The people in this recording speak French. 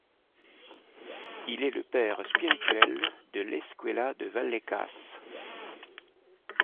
Il est le père spirituel de l'Escuela de Vallecas.